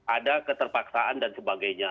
ada keterpaksaan dan sebagainya